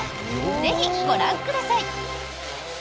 ぜひ、ご覧ください。